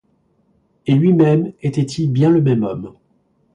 Et lui-même, était-il bien le même homme?